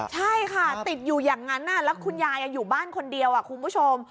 ใช่ค่ะติดอยู่อย่างนั้นแล้วคุณยายอยู่บ้านคนเดียวคุณผู้ชม